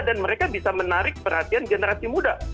mereka bisa menarik perhatian generasi muda